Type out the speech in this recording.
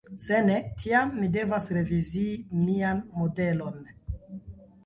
Se ne, tiam mi devas revizii mian modelon.